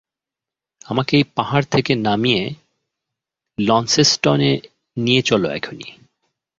আমাকে এই পাহাড় থেকে নামিয়ে লন্সেস্টনে নিয়ে চলো এখনই।